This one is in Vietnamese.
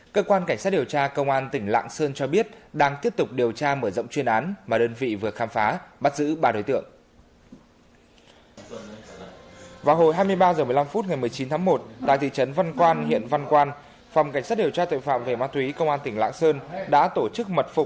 các bạn hãy đăng ký kênh để ủng hộ kênh của chúng mình nhé